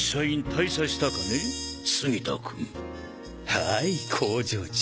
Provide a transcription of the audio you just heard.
はい工場長。